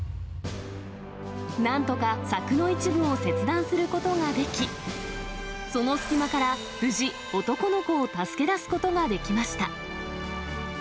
なんとか柵の一部を切断することができ、その隙間から無事、男の子を助け出すことができました。